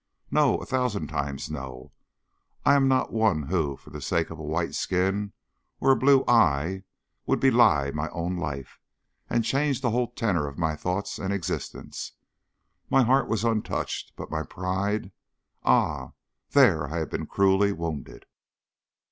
No a thousand times no. I am not one who, for the sake of a white skin or a blue eye, would belie my own life, and change the whole tenor of my thoughts and existence. My heart was untouched. But my pride ah, there I had been cruelly wounded.